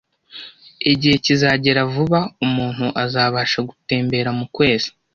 Igihe kizagera vuba umuntu azabasha gutembera mukwezi.